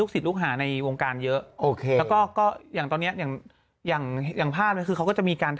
ก็ไปเรียนอย่างเบาอย่าง